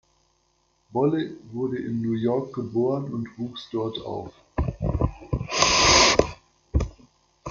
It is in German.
Bolle wurde in New York geboren und wuchs dort auf.